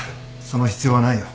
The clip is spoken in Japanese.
その必要はないよ。